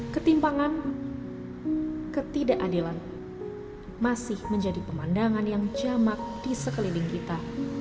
ketimpangan ketidakadilan masih menjadi pemandangan yang jamak di sekeliling kita